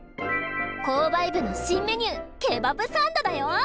購買部の新メニューケバブサンドだよ！